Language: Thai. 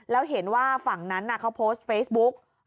แล้วเห็นว่าฝั่งนั้นเขาโพสต์เฟซบุ๊ก